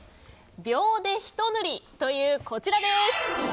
秒でひと塗りというこちらです。